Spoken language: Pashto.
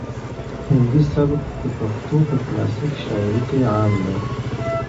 هندي سبک د پښتو په کلاسیک شاعري کې عام دی.